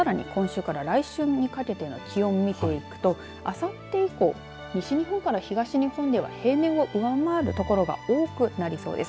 さらに今週から来週にかけての気温を見ていくとあさって以降西日本から東日本では平年を上回る所が多くなりそうです。